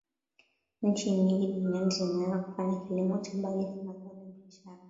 Nchi nyingi duniani zimeanza kufanya kilimo Cha bangi Kama zao la biashara